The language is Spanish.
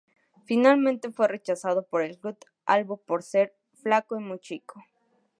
Finalmente fue rechazado por el club albo por ser "flaco y muy chico".